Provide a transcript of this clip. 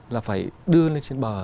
là phải đưa lên trên bờ